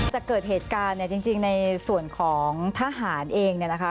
จะเกิดเหตุการณ์จริงในส่วนของทหารเองนะคะ